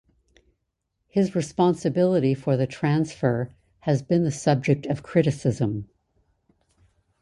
His responsibility for the transfer has been the subject of criticism.